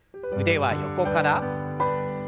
腕は横から。